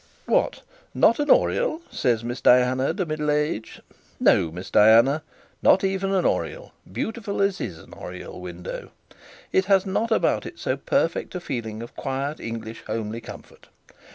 What not an oriel? says Miss Diana de Midellage. No, Miss Diana; not even an oriel, beautiful as is an oriel window. It has not about it so perfect a feeling of quiet English homely comfort.